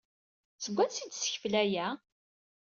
Seg wansi ay d-tessekfel aya?